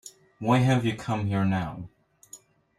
Why have you come here now?